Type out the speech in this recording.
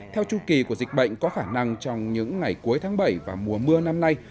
theo chu kỳ của dịch bệnh có khả năng trong những ngày cuối tháng bảy và mùa mưa năm nay